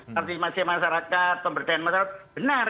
partisipasi masyarakat pemberdayaan masyarakat benar